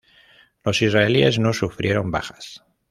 Los israelíes no sufrieron bajas.